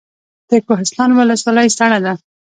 د کوهستان ولسوالۍ سړه ده